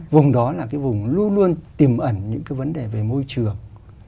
vùng đó là cái vùng luôn luôn tiềm ẩn những cái vấn đề về môi trường